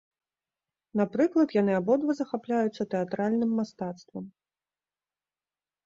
Напрыклад, яны абодва захапляюцца тэатральным мастацтвам.